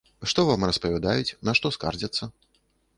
Што вам распавядаюць, на што скардзяцца?